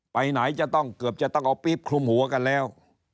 ไปไหนจะต้องเกือบจะต้องเอาปี๊บคลุมหัวกันแล้ว